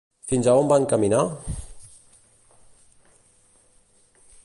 Fins a on van caminar?